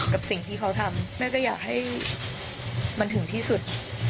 กับสิ่งที่เขาทำแม่ก็อยากให้มันถึงที่สุด